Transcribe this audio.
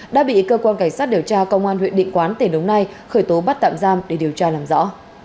đã bị cơ quan cảnh sát điều tra công an huyện định quán tể đúng nay khởi tố bắt tạm giam để điều tra làm rõ